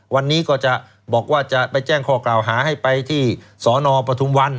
วันนี้ก็จะบอกว่าจะไปแจ้งข้อกล่าวหาให้ไปที่สนปฐุมวัน